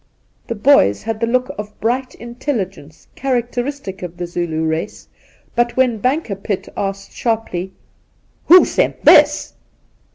The boys had the look of bright intelligence characteristic of the Zulu race, but when Banker pitt asked sharply, ' "Who sent this